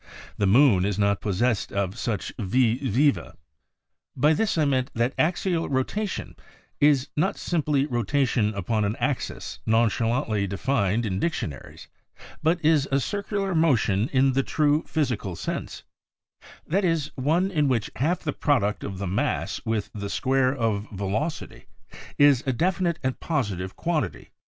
The moon is not posest of such vis viva." By this I meant that "axial rotation" is not simply "rotation upon an axis nonchalantly defined in dictionaries, but is a cir cular motion in the true physical sense — that is, one in which half the product of the mass with the square of velocity is a definite and positive quantity.